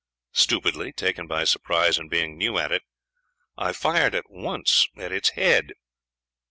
Stupidly, being taken by surprise, and being new at it, I fired at once at its head.